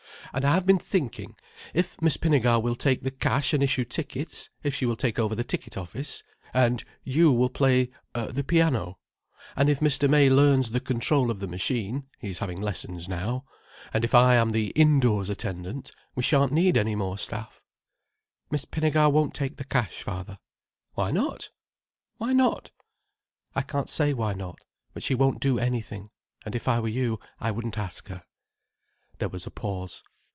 And I have been thinking—if Miss Pinnegar will take the cash and issue tickets: if she will take over the ticket office: and you will play the piano: and if Mr. May learns the control of the machine—he is having lessons now—: and if I am the indoors attendant, we shan't need any more staff." "Miss Pinnegar won't take the cash, father." "Why not? Why not?" "I can't say why not. But she won't do anything—and if I were you I wouldn't ask her." There was a pause.